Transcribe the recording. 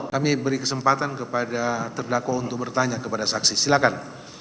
kami beri kesempatan kepada terdakwa untuk bertanya kepada saksi silakan